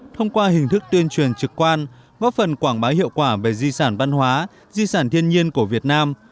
thông qua hình thức tuyên truyền trực quan góp phần quảng bá hiệu quả về di sản văn hóa di sản thiên nhiên của việt nam